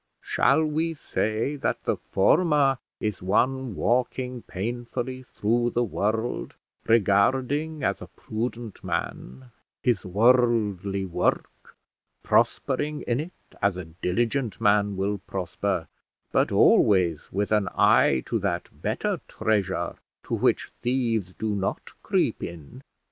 Shall we say that the former is one walking painfully through the world, regarding, as a prudent man, his worldly work, prospering in it as a diligent man will prosper, but always with an eye to that better treasure to which thieves do not creep in?